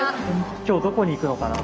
今日どこに行くのかなって。